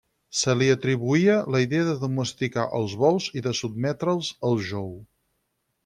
Se li atribuïa la idea de domesticar els bous i de sotmetre'ls al jou.